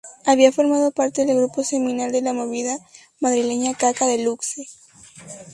Había formado parte del grupo seminal de la movida madrileña Kaka de Luxe.